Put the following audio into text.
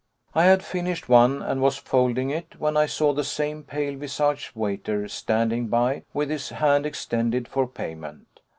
I had finished one, and was folding it, when I saw the same pale visaged waiter standing by with his hand extended for payment.